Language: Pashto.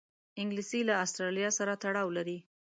انګلیسي له آسټرالیا سره تړاو لري